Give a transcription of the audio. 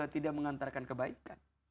tidak mengantarkan kebaikan